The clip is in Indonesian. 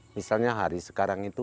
misalnya hari sekarang itu